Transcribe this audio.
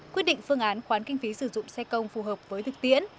quyết định phương án khoán kinh phí sử dụng xe công phù hợp với thực tiễn